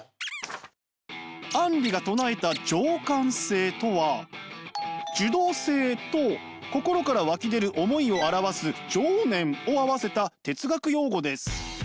アンリが唱えた情感性とは受動性と心から湧き出る思いを表す情念を合わせた哲学用語です。